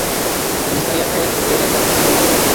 Neisseria সাহেব এর একটা বিহিত করবেনই।